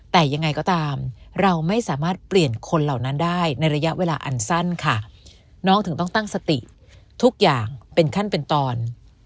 แต่ยังไงก็ตามเราไม่สามารถเปลี่ยนคนเหล่านั้นได้ในระยะเวลาอันสั้นค่ะน้องถึงต้องตั้งสติทุกอย่างเป็นขั้นเป็นตอน